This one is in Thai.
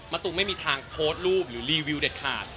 ตุงไม่มีทางโพสต์รูปหรือรีวิวเด็ดขาด